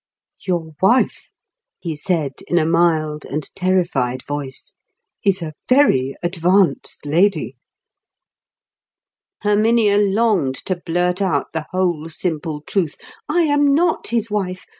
"Your wife," he said in a mild and terrified voice, "is a very advanced lady." Herminia longed to blurt out the whole simple truth. "I am not his wife.